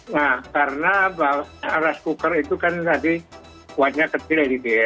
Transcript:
nah karena rice cooker itu kan tadi kuatnya kecil